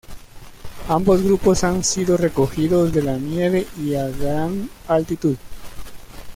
Ambos grupos han sido recogidos de la nieve y a gran altitud.